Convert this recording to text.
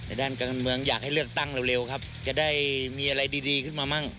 ด้านการเมืองอยากให้เลือกตั้งเร็วครับจะได้มีอะไรดีขึ้นมามั่ง